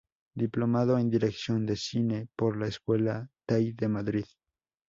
Diplomado en Dirección de Cine por la Escuela Tai de Madrid.